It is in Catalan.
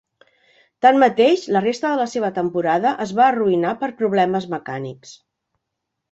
Tanmateix, la resta de la seva temporada es va arruïnar per problemes mecànics.